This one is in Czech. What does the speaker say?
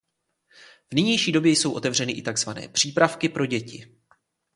V nynější době jsou otevřeny i tzv "přípravky" pro děti.